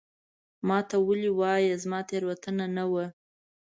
ما ته ولي وایې ؟ زما تېروتنه نه وه